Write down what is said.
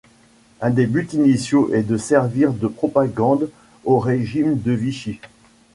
Un des buts initiaux est de servir de propagande au régime de Vichy.